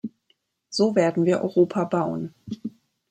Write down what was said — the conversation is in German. So werden wir Europa bauen.